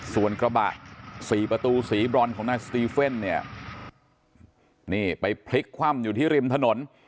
ส่วนกระบะสี่ประตูสีบรอนของนายสตีเฟ่นเนี่ยนี่ไปพลิกคว่ำอยู่ที่ริมถนน